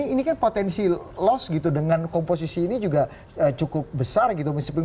ini kan potensi loss gitu dengan komposisi ini juga cukup besar gitu